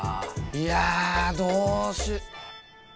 いやどうしよ。